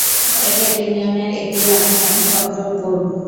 এই ইউনিয়নের একটি গ্রামের নাম কন্দ্রকপুর।